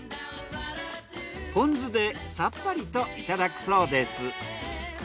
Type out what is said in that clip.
ポン酢でさっぱりといただくそうです。